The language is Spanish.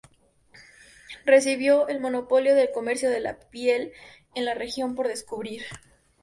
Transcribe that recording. Recibió el monopolio del comercio de la piel en la región por descubrir.